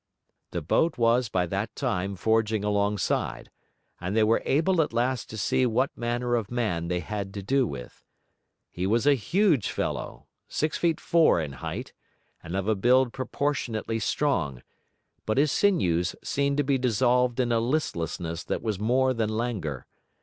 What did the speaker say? The boat was by that time forging alongside, and they were able at last to see what manner of man they had to do with. He was a huge fellow, six feet four in height, and of a build proportionately strong, but his sinews seemed to be dissolved in a listlessness that was more than languor.